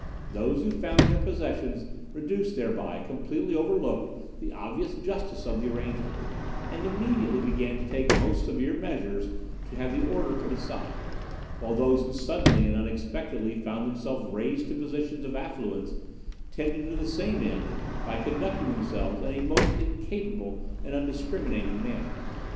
Those who found their possessions reduced thereby completely overlooked the obvious justice of the arrangement, and immediately began to take most severe measures to have the order put aside; while those who suddenly and unexpectedly found themselves raised to positions of affluence tended to the same end by conducting themselves in a most incapable and undiscriminating manner.